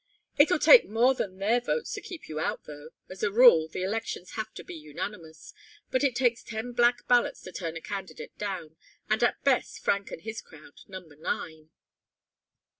"It'll take more than their votes to keep you out, though, as a rule, the elections have been unanimous. But it takes ten black ballots to turn a candidate down, and at best Frank and his crowd number nine."